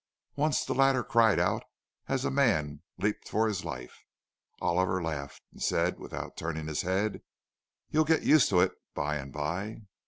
Once the latter cried out as a man leapt for his life; Oliver laughed, and said, without turning his head, "You'll get used to it by and by."